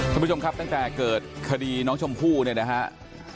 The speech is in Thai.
คุณผู้ชมครับตั้งแต่เกิดคดีน้องชมพู่เนี่ยนะครับ